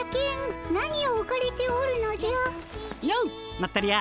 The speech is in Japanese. まったり屋。